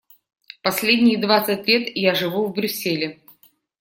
Последние двадцать лет я живу в Брюсселе.